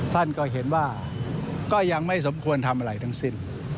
ท่านก็เห็นว่าก็ยังไม่สมควรทำอะไรทั้งสิ้น